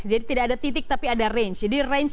jadi tidak ada titik tapi ada range